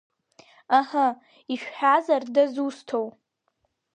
Аҳы, ишәҳәазар дызусҭоу?